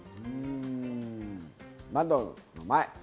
窓の前。